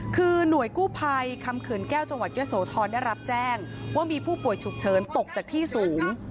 คือหน่วยกู้ภัยคำเขื่อนแก้วจังหวัดเยอะโสธรได้รับแจ้งว่ามีผู้ป่วยฉุกเฉินตกจากที่สูง